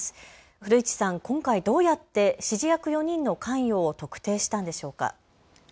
古市さん、今回どうやって指示役４人の関与を特定したんでしょうか。